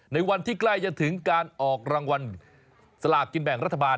ในวันที่ใกล้จะถึงการออกรางวัลสลากกินแบ่งรัฐบาล